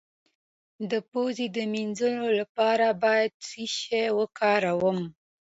د پوزې د مینځلو لپاره باید څه شی وکاروم؟